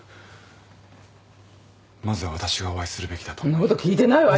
んなこと聞いてないわよ。